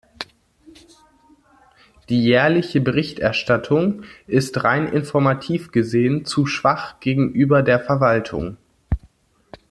Die jährliche Berichterstattung ist, rein informativ gesehen, zu schwach gegenüber der Verwaltung.